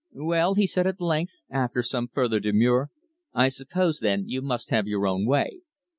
"Well," he said at length, after some further demur, "I suppose, then, you must have your own way.